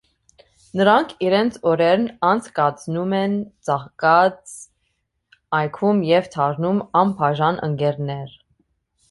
Նրանք իրենց օրերն անցկացնում են ծաղկած այգում և դառնում անբաժան ընկերներ։